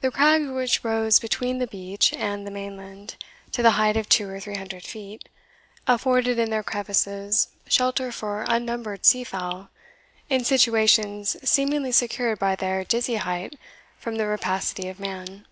The crags which rose between the beach and the mainland, to the height of two or three hundred feet, afforded in their crevices shelter for unnumbered sea fowl, in situations seemingly secured by their dizzy height from the rapacity of man.